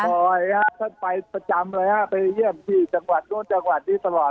คอยฮะท่านไปประจำเลยฮะไปเยี่ยมที่จังหวัดโน้นจังหวัดนี้ตลอด